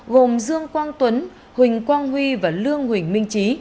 gồm dương quang tuấn huỳnh quang huy và lương huỳnh minh trí